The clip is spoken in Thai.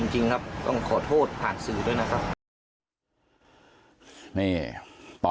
จริงครับต้องขอโทษผ่านสื่อด้วยนะครับ